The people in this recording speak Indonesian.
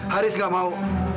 haris nggak mau